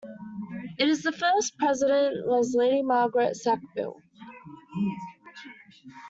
Its first President was Lady Margaret Sackville.